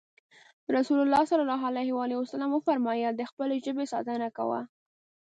رسول الله ص وفرمايل د خپلې ژبې ساتنه کوه.